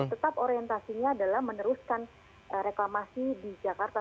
tetap orientasinya adalah meneruskan reklamasi di jakarta